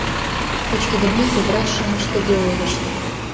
Пӱчкедымеке, врач-шамыч тыге ойлышт...